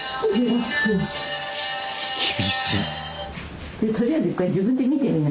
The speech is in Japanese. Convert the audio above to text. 厳しい。